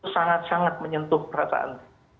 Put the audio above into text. sangat sangat menyentuh perasaan